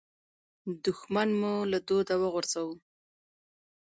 دوښمن مو له دوده وغورځاوو.